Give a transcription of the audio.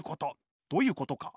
どういうことか。